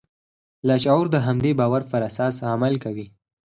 لاشعور د همدې باور پر اساس عمل کوي